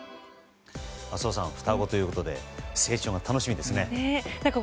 浅尾さん双子ということで成長が楽しみですね。